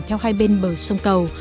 theo hai bên bờ sông cầu